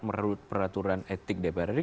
menurut peraturan etik dpr ini